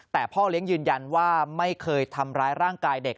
แต่พ่อเลี้ยงยืนยันว่าไม่เคยทำร้ายร่างกายเด็ก